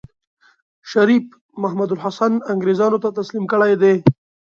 شريف محمودالحسن انګرېزانو ته تسليم کړی دی.